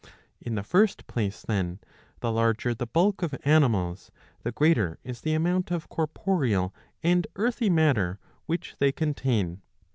'^ In the first place, then, the larger the bulk of animals, the greater is the amount of corporeal and earthy matter which they contain.